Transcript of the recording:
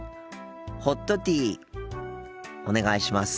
ホットティーお願いします。